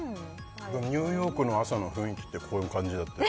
ニューヨークの朝の雰囲気ってこういう感じだったよ